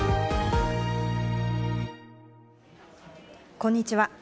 こんにちは。